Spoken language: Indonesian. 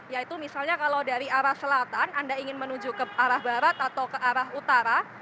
yaitu misalnya kalau dari arah selatan anda ingin menuju ke arah barat atau ke arah utara